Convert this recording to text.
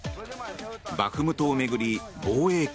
バフムトを巡り防衛か？